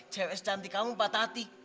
cewek secantik kamu patah hati